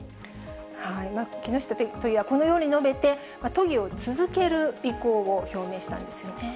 木下都議はこのように述べて、都議を続ける意向を表明したんですよね。